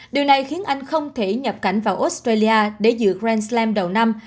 điều này khiến anh không thể nhập cảnh vào australia để giữ grand slam đầu năm